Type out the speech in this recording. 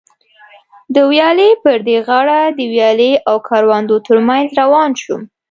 د ویالې پر دې غاړه د ویالې او کروندو تر منځ روان شوم.